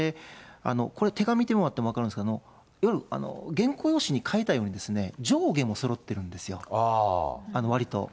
これ手紙見てもらうと分かるんですけれども、いわゆる原稿用紙に書いたように、上下もそろってるんですよ、わりと。